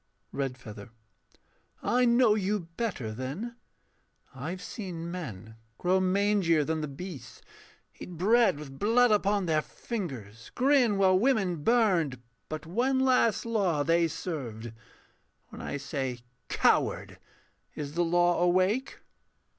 REDFEATHER. I know you better, then. I have seen men grow mangier than the beasts, Eat bread with blood upon their fingers, grin While women burned: but one last law they served. When I say 'Coward,' is the law awake?